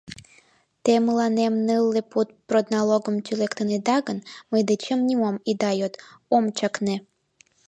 Те мыланем нылле пуд продналогым тӱлыктынеда гын, мый дечем нимом ида йод — ом чакне!..